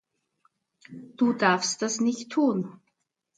Du darfst das nicht tun!